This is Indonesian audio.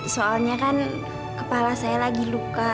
soalnya kan kepala saya lagi luka